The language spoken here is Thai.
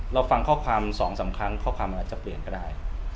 เราฟังข้อความสองสามครั้งข้อความอะไรจะเปลี่ยนก็ได้